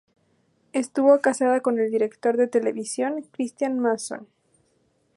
Estuvo casada con el director de televisión Cristián Mason.